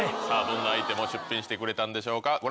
さあどんなアイテムを出品してくれたんでしょうか。